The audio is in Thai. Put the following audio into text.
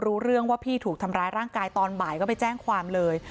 รู้เรื่องว่าพี่ถูกทำร้ายร่างกายตอนบ่ายก็ไปแจ้งความเลย